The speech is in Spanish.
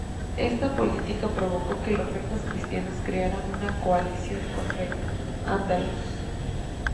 Esta política provocó que los reinos cristianos crearan una coalición contra al-Ándalus.